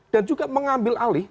dan juga mengambil alih